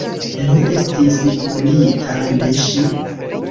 Li estis vundita, ne ŝi.